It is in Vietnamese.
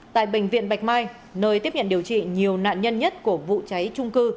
tại bệnh viện bạch mai nơi tiếp nhận điều trị nhiều nạn nhân nhất của vụ cháy trung cư